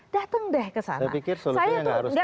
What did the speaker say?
datang deh ke sana